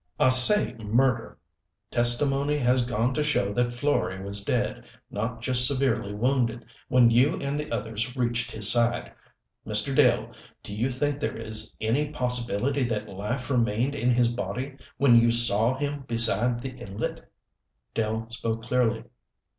"I say 'murder.' Testimony has gone to show that Florey was dead, not just severely wounded, when you and the others reached his side. Mr. Dell, do you think there is any possibility that life remained in his body when you saw him beside the inlet?" Dell spoke clearly.